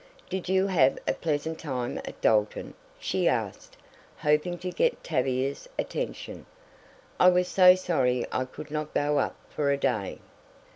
"Did you have a pleasant time at Dalton?" she asked, hoping to get Tavia's attention. "I was so sorry I could not go up for a day."